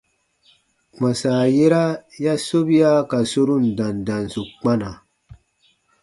Kpãsa yera ya sobia ka sorun dandansu kpana.